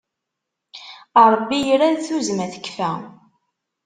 Ṛebbi irad, tuzzma tekfa.